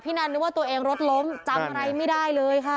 พี่นั่นเหมือนว่าตัวเองลดล้อมจำอะไรไม่ได้เลยค่ะ